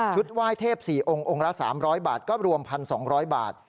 ไหว้เทพ๔องค์องค์ละ๓๐๐บาทก็รวม๑๒๐๐บาท